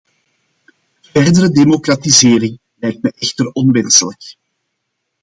Verdere democratisering lijkt me echter onwenselijk.